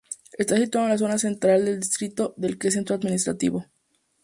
Está situado en la zona central del distrito, del que es centro administrativo.